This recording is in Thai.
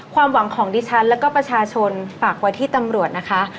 ความหวังของดิฉันแล้วก็ประชาชนฝากไว้ที่ตำรวจนะคะ